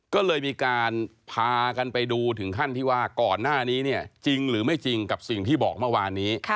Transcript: ก็เลยมีการพากันไปดูถึงขั้นที่ว่าก่อนหน้านี้เนี่ยจริงหรือไม่จริงกับสิ่งที่บอกเมื่อวานนี้